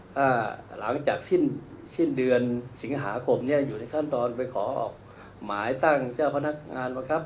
ถ้าหลังจากสิ้นเดือนสิงหาคมอยู่ในขั้นตอนไปขอออกหมายตั้งเจ้าพนักงานบังคับ